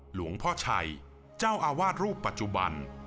หลวงพ่อชัยเจ้าอาวาสรูปปัจจุบัน